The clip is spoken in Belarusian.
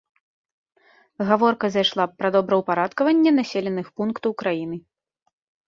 Гаворка зайшла пра добраўпарадкаванне населеных пунктаў краіны.